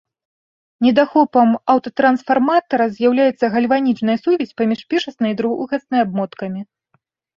Недахопам аўтатрансфарматара з'яўляецца гальванічная сувязь паміж першаснай і другаснай абмоткамі.